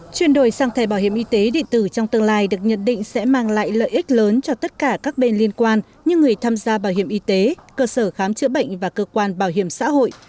chuyển đổi sang thẻ bảo hiểm y tế điện tử trong tương lai được nhận định sẽ mang lại lợi ích lớn cho tất cả các bên liên quan như người tham gia bảo hiểm y tế cơ sở khám chữa bệnh và cơ quan bảo hiểm xã hội